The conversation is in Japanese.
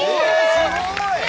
えすごい！